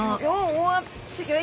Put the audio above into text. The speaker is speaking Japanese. おわっすギョい！